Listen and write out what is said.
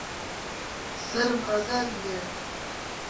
سەرم ئازاری هەیە.